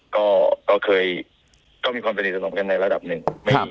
ก็เคยก็มีความสนิทสนมกันในระดับหนึ่ง